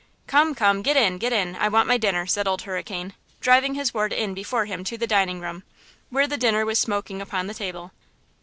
"Come, come; get in! get in! I want my dinner!" said Old Hurricane, driving his ward in before him to the dining room, where the dinner was smoking upon the table.